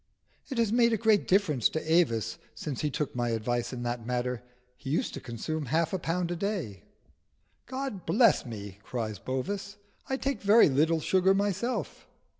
"It has made a great difference to Avis since he took my advice in that matter: he used to consume half a pound a day." "God bless me!" cries Bovis. "I take very little sugar myself."